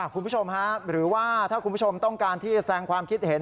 คุณผู้ชมหรือว่าถ้าคุณผู้ชมต้องการที่แสงความคิดเห็น